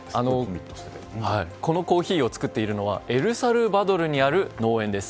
このコーヒーを作っているのはエルサルバドルにある農園です。